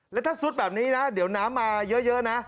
แล้วถ้าซุดแบบนี้นะเดี๋ยวน้ำมาเยอะนะ